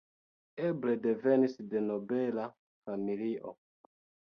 Eble devenis de nobela familio.